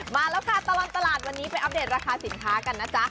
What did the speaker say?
มาแล้วค่ะตลอดตลาดวันนี้ไปอัปเดตราคาสินค้ากันนะจ๊ะ